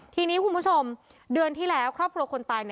ทีนี้คุณผู้ชมเดือนที่แล้วครอบครัวคนตาย